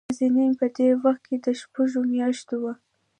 نازنين په دې وخت کې دشپږو مياشتو وه.